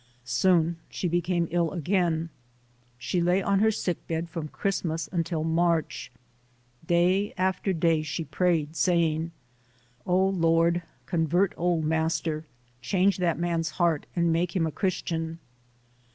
Soon she became ill again. She lay on her sick bed from Christmas until March. Day after day she prayed, HARRIET TUBMAN [91 saying, "Oh, Lord, convert old Master; change that man's heart and make him a Christian".